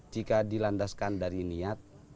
jika dilandaskan dari niat